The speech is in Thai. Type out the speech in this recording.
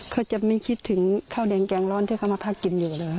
เขาจะไม่คิดถึงข้าวแดงแกงร้อนที่เขามาพักกินอยู่เลย